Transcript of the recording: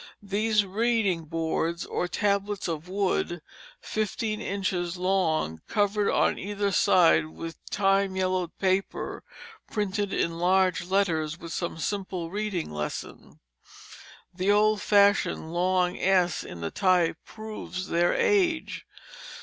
These "reading boards" are tablets of wood, fifteen inches long, covered on either side with time yellowed paper printed in large letters with some simple reading lesson. The old fashioned long s in the type proves their age.